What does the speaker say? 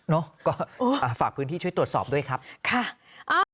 ก็ฝากพื้นที่ช่วยตรวจสอบด้วยครับค่ะ